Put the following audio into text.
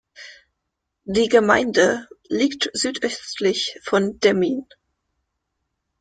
Die Gemeinde liegt südöstlich von Demmin.